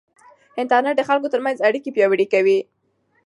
انټرنيټ د خلکو ترمنځ اړیکې پیاوړې کوي.